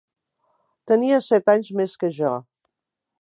Tenia set anys més que jo.